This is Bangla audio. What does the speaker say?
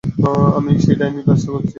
আমি সেই ডাইনির ব্যবস্থা করছি।